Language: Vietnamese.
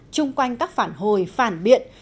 chung quanh các phản hồi phản biện